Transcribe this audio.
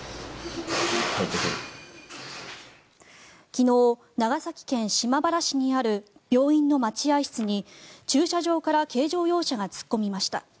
昨日、長崎県島原市にある病院の待合室に駐車場から軽乗用車が突っ込みました。